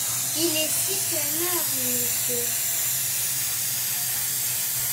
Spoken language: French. Il est si flâneur, monsieur !